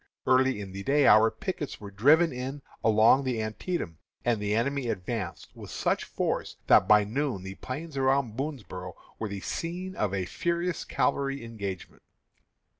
Early in the day our pickets were driven in along the Antietam, and the enemy advanced with such force that by noon the plains around Boonsboro' were the scene of a furious cavalry engagement.